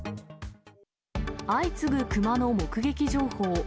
相次ぐクマの目撃情報。